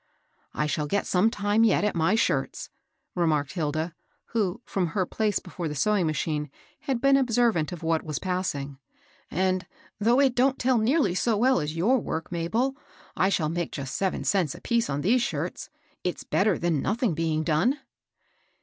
^^ I shall get some time yet at my shirts," re marked Hilda, who, from her place before the sewing machine, had been observant of what was passing ;^^ and, though it don't tell nearly so well as your work, Mabel, — I shall make just seven cents apece on these shirts, — it's better than nothing being done.'